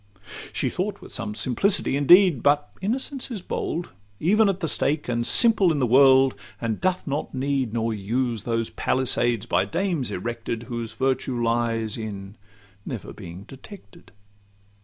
She thought with some simplicity indeed; But innocence is bold even at the stake, And simple in the world, and doth not need Nor use those palisades by dames erected, Whose virtue lies in never being detected.